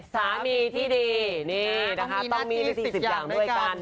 สามีที่ดีต้องมีหนัก๔๐อย่างด้วยกัน